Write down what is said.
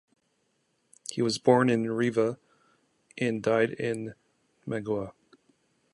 He was born in Rivas and died in Managua.